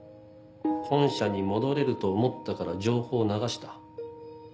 本社に戻れると思ったから情報を流した。